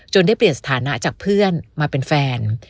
ได้เปลี่ยนสถานะจากเพื่อนมาเป็นแฟน